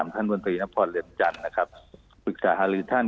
ท่านบรินัพพลเลมจันทร์ปรึกษาฮภ์ฮารือท่าน